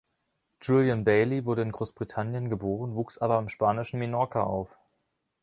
Julian Bailey wurde in Großbritannien geboren, wuchs aber im spanischen Menorca auf.